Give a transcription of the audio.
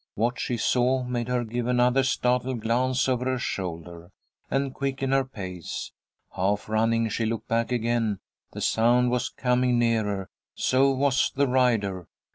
What she saw made her give another startled glance over her shoulder, and quicken her pace. Half running, she looked back again. The sound was coming nearer. So was the rider.